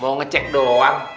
mau ngecek doang